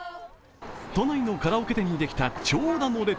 都内のカラオケ店にできた長蛇の列。